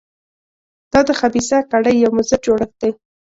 دا د خبیثه کړۍ یو مضر جوړښت دی.